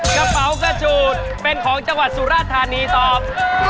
กระเป๋ากระจูดเป็นของจังหวัดสุราธานีตอบ